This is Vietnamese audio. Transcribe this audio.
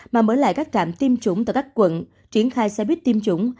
mà mở lại các trạm tiêm chủng tại các quận triển khai xe buýt tiêm chủng